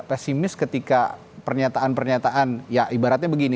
pesimis ketika pernyataan pernyataan ya ibaratnya begini